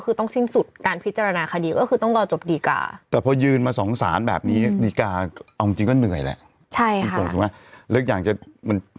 คือจริงเอ้ยเรื่องค่าสินใหม่ชดเชิงเนี่ย